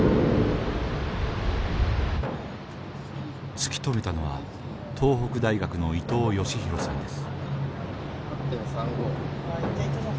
突き止めたのは東北大学の伊藤喜宏さんです。